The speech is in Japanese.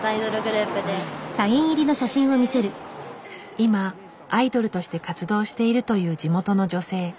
今アイドルとして活動しているという地元の女性。